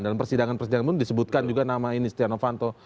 dan persidangan persidangan pun disebutkan juga nama ini stiano fanto